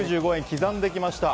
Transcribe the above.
刻んできました。